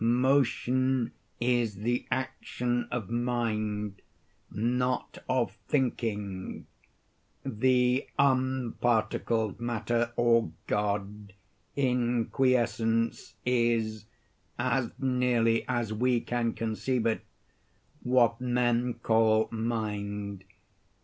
Motion is the action of mind, not of thinking. The unparticled matter, or God, in quiescence, is (as nearly as we can conceive it) what men call mind.